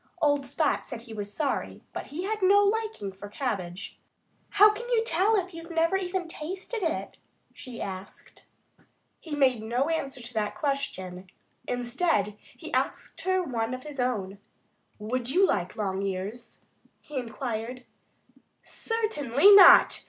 Old Spot said he was sorry; but he had no liking for cabbage. "How can you tell if you've never tasted it?" she asked. He made no answer to that question. Instead, he asked her one of his own. "Would you like long ears?" he inquired. "Certainly not!"